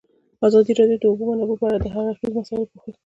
ازادي راډیو د د اوبو منابع په اړه د هر اړخیزو مسایلو پوښښ کړی.